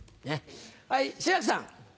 はい志らくさん。